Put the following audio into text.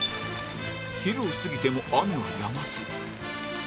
昼を過ぎても雨はやまず